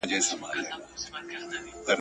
زموږ فطرت یې دی جوړ کړی له پسونو له لېوانو !.